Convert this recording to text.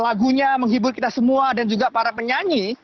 lagunya menghibur kita semua dan juga para penyanyi